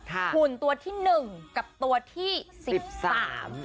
หุ่นตัวที่หนึ่งกับตัวที่สิบสาม